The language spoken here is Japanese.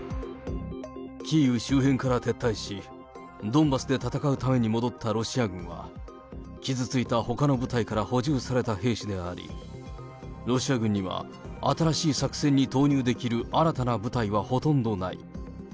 キーウ周辺から撤退し、ドンバスで戦うために戻ったロシア軍は、傷ついたほかの部隊から補充された兵士であり、ロシア軍には、新しい作戦に投入できる新たな部隊はほとんどない。